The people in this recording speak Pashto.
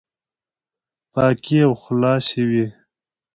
پاکي او خلاصي وي،